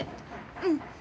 うん！